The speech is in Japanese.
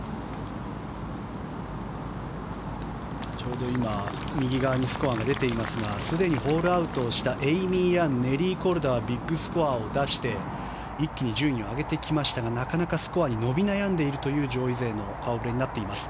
ちょうど今右側にスコアが出ていますがすでにホールアウトしたエイミー・ヤンネリー・コルダビッグスコアを出して一気に順位を上げてきましたがなかなかスコアに伸び悩んでいる上位勢の顔ぶれになっています。